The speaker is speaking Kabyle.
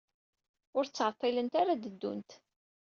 Ur ttɛeḍḍilent ara ad ddunt.